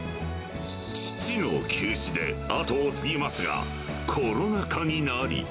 父の急死で跡を継ぎますが、コロナ禍になり。